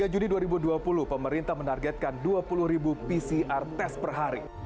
tiga juni dua ribu dua puluh pemerintah menargetkan dua puluh ribu pcr test per hari